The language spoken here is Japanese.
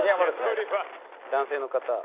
男性の方